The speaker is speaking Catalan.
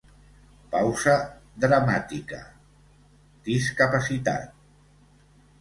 Pausa dramàtica—; discapacitat.